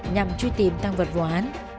nhằm truy tìm tăng vật vụ án